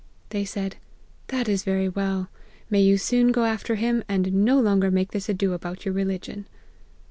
They said, * That is very well ! May you soon go after him, and no longer make this ado about your religion